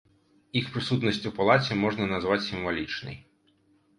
Іх прысутнасць у палаце можна назваць сімвалічнай.